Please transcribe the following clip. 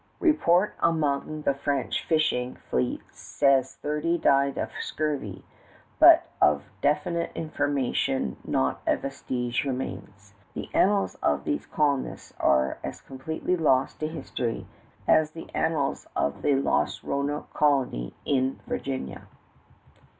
Report among the French fishing fleet says thirty died of scurvy; but of definite information not a vestige remains. The annals of these colonists are as completely lost to history as the annals of the lost Roanoke colony in Virginia.